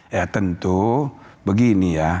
ya tentu begini ya